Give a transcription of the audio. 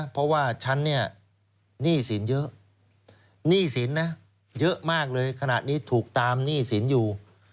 เพราะว่าฉันเนี่ยหนี้สินเยอะหนี้สินนะเยอะมากเลยขณะนี้ถูกตามหนี้สินอยู่